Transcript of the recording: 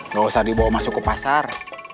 nggak usah dibawa masuk ke pasar